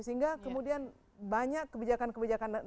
sehingga kemudian banyak kebijakan kebijakan